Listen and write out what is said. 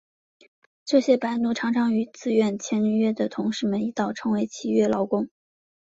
这些白奴常常与自愿签约的同事们一道成为契约劳工。